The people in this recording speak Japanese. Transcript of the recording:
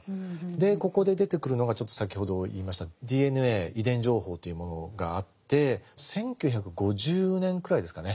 でここで出てくるのがちょっと先ほど言いましたＤＮＡ遺伝情報というものがあって１９５０年くらいですかね